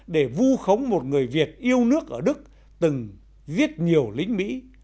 để vu khống một người việt yêu nước ở đức từng giết nhiều lính mỹ